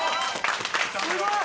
すごい！